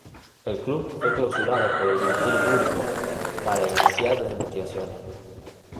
El club fue clausurado por el Ministerio Público para iniciar las investigaciones.